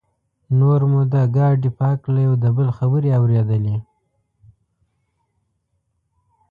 نور مو د ګاډي په هکله یو د بل خبرې اورېدلې.